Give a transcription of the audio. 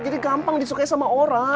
jadi gampang disukai sama orang